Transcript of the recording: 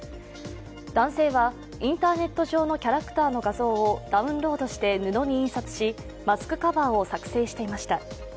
男性はインターネット上のキャラクターの画像をダウンロードして布に印刷しマスクカバーを作成していました。